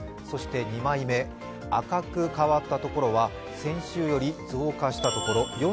そして２枚目、赤く変わったところは先週より増加したところ。